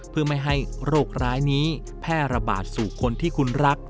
เพื่อไม่ให้โรคร้ายนี้แพร่ระบาดสู่คนที่คุณรัก